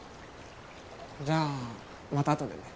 じゃあまたあとでね。